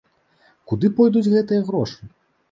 Куды пойдуць гэтыя грошы?